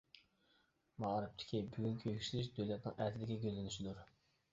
مائارىپتىكى بۈگۈنكى يۈكسىلىش دۆلەتنىڭ ئەتىدىكى گۈللىنىشىدۇر.